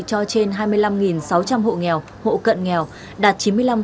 cho trên hai mươi năm sáu trăm linh hộ nghèo hộ cận nghèo đạt chín mươi năm ba mươi tám